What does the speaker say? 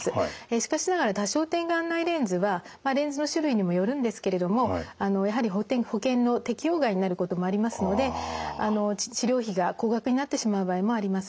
しかしながら多焦点眼内レンズはレンズの種類にもよるんですけれどもやはり保険の適用外になることもありますので治療費が高額になってしまう場合もあります。